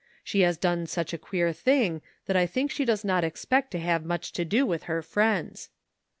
She has done such a queer thing that I think she does not expect to have much to do with her friends.'